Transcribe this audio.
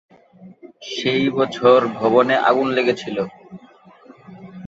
সেই বছরই ভবনে আগুন লেগেছিল।